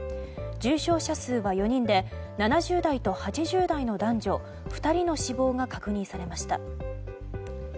重症者数は４人で７０代と８０代の男女２人の死亡が確認されました。